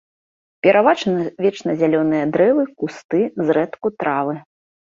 Пераважна вечназялёныя дрэвы, кусты, зрэдку травы.